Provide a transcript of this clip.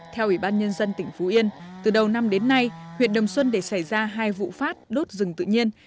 theo ubnd tỉnh phú yên từ đầu năm đến nay huyện đồng xuân để xảy ra hai vụ phát đốt rừng tự nhiên